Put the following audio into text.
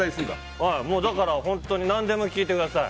だから、本当に何でも聞いてください。